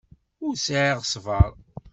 Ur sɛiɣ ṣṣber.